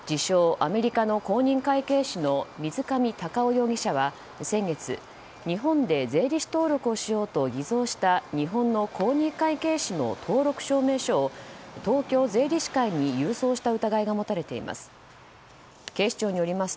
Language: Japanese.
アメリカの公認会計士の水上タカオ容疑者は先月、日本で税理士登録をしようと偽造した、日本の公認会計士の登録証明書を東京税理士会に郵送した疑いが持たれています。